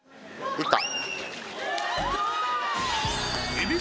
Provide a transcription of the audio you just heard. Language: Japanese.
いった。